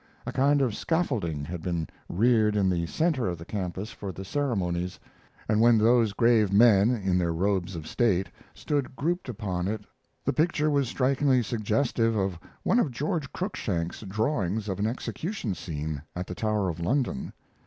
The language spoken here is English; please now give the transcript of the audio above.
A kind of scaffolding had been reared in the center of the campus for the ceremonies; and when those grave men in their robes of state stood grouped upon it the picture was strikingly suggestive of one of George Cruikshank's drawings of an execution scene at the Tower of London.